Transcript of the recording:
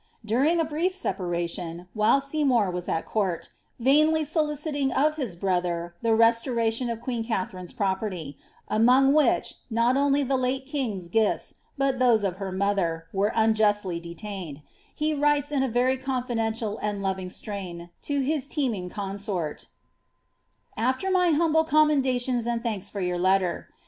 During a brief separation, while Seymour was at court, vainly soliciting of his brother the restoimtioa of queen Katharine^s property, among which not only the late k'uxgt gifts, but those of her mother, were unjustly detained, he writes in i very confidential and loving strain to his teeming consort :" AAer my humble commendations and thanks for your letter.